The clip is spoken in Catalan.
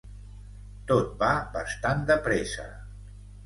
Tot va bastant de pressa.